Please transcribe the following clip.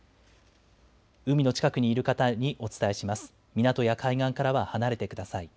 港や海岸からは離れてください。